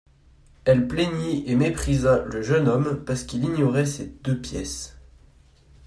Elle plaignit et méprisa le jeune homme parce qu'il ignorait ces deux pièces.